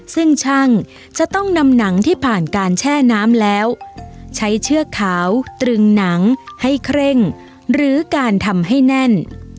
ซึ่งช่างจะต้องนำหนังที่ผ่านการแช่น้ำแล้วใช้เชือกขาวตรึงหนังให้เคร่งหรือการทำให้แน่น